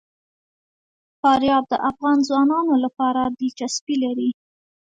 فاریاب د افغان ځوانانو لپاره دلچسپي لري.